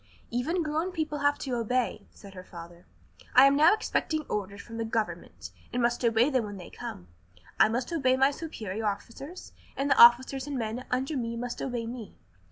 "Even grown people have to obey," said her father. "I am now expecting orders from the government, and must obey them when they come. I must obey my superior officers, and the officers and men under me must obey me.